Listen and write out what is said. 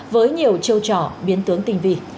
với nhiều trêu trò biến tướng tình vì